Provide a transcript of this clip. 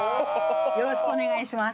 よろしくお願いします。